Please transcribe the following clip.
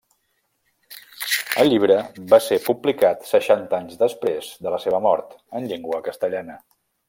El llibre va ser publicat seixanta anys després de la seva mort, en llengua castellana.